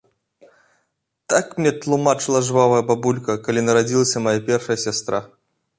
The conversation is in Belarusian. Так мне тлумачыла жвавая бабулька, калі нарадзілася мая першая сястра.